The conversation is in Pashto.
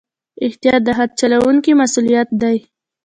احتیاط د هر چلوونکي مسؤلیت دی.